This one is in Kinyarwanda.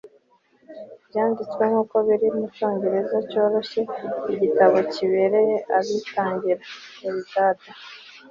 byanditswe nkuko biri mucyongereza cyoroshye, igitabo kibereye abitangira. (eldad